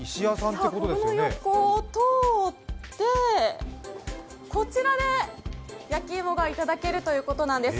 その横を通って、こちらで焼き芋がいただけるということなんです。